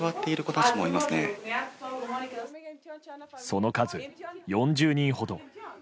その数４０人ほど。